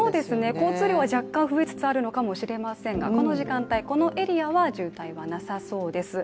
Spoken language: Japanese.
交通量は若干増えつつあるのかもしれませんがこの時間帯、このエリアは渋滞はなさそうです。